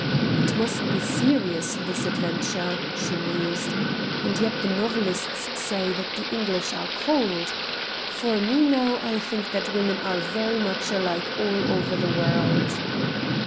"It must be serious, this adventure," she mused. "And yet the novelists say that the English are cold! For me, now, I think that women are very much alike all over the world."